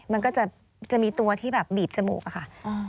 มันก็จะมีตัวที่แบบบีบจมูกอะค่ะ